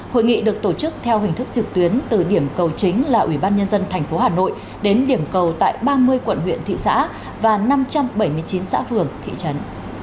hội nghị được tổ chức theo hình thức trực tuyến từ điểm cầu chính là ubnd tp hà nội đến điểm cầu tại ba mươi quận huyện thị xã và năm trăm bảy mươi chín xã vườn thị trấn